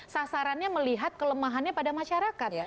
sasarannya melihat kelemahannya pada masyarakat